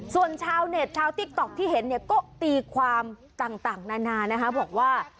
ส่วนชาวเน็ตชาวติ๊กต๊อกที่เห็นเนี่ยก็ตีความต่างนานานะคะบอกว่า